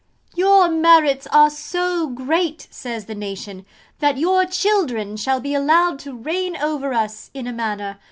'Your merits are so great,' says the nation, 'that your children shall be allowed to reign over us, in a manner.